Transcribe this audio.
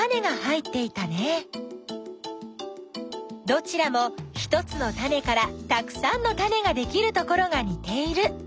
どちらも１つのタネからたくさんのタネができるところがにている。